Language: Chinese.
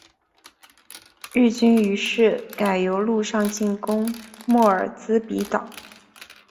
日军于是改由陆上进攻莫尔兹比港。